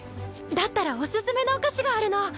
だったらおすすめのお菓子があるの。